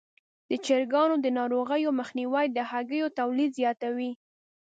د چرګانو د ناروغیو مخنیوی د هګیو تولید زیاتوي.